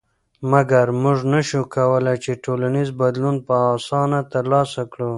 مګر موږ نشو کولی چې ټولنیز بدلون په اسانه تر لاسه کړو.